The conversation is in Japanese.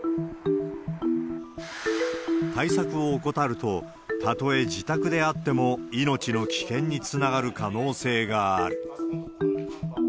対策を怠ると、たとえ自宅であっても命の危険につながる可能性がある。